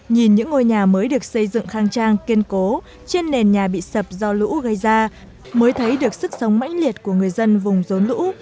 nhìn những ngôi nhà mới được xây dựng khang trang kiên cố trên nền nhà bị sập do lũ gây ra mới thấy được sức sống mãnh liệt của người dân vùng rốn lũ